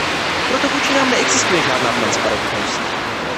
Proto vůči nám neexistuje žádná transparentnost.